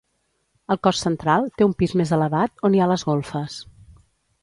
El cos central té un pis més elevat, on hi ha les golfes.